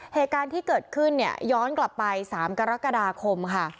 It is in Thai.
เหตุการณ์ที่เกิดขึ้นเนี่ยย้อนกลับไป๓กรกฎาคมค่ะ